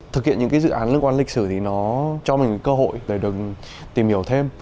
thực hiện những cái dự án liên quan lịch sử thì nó cho mình cơ hội để được tìm hiểu thêm